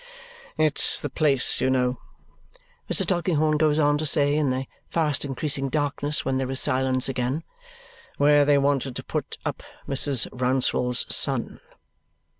"It's the place, you know," Mr. Tulkinghorn goes on to say in the fast increasing darkness when there is silence again, "where they wanted to put up Mrs. Rouncewell's son."